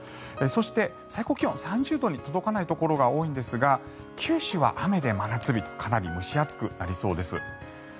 そして、最高気温３０度に届かないところが多いんですが九州は雨で真夏日とかなり蒸し暑くなりそうです。